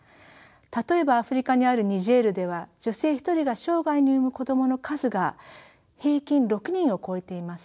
例えばアフリカにあるニジェールでは女性一人が生涯に産む子供の数が平均６人を超えています。